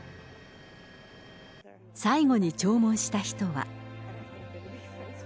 最後に弔問した人は。